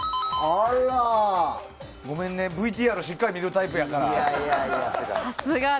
ごめんね、ＶＴＲをしっかり見るタイプやから。